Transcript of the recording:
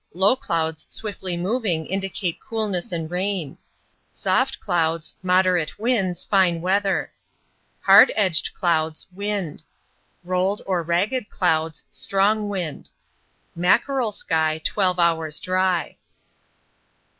Low clouds swiftly moving indicate coolness and rain. Soft clouds, moderate winds, fine weather. Hard edged clouds, wind. Rolled or ragged clouds, strong wind. "Mackerel" sky, twelve hours dry.